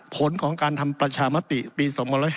ผลของการทำประชามติปี๒๕๖๒